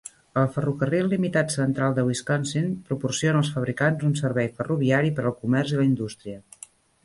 El ferrocarril limitat central de Wisconsin proporciona als fabricants un servei ferroviari per al comerç i la indústria.